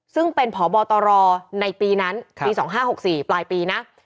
ซึ่งเป็นพบตรในปีนั้นปี๒๕๖๔ปลายปีนะ